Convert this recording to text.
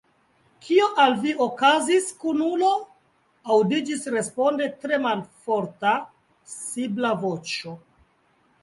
« Kio al vi okazis, kunulo?" Aŭdiĝis responde tre malforta sibla voĉo.